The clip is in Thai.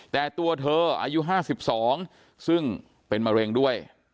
แต่ตัวเธออายุห้าสิบสองซึ่งเป็นมะเร็งด้วย